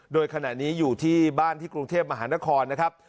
โดยขณะนี้อยู่ที่บ้านที่กรุงเทพมหานครนะครับ